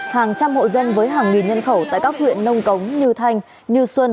hàng trăm hộ dân với hàng nghìn nhân khẩu tại các huyện nông cống như thanh như xuân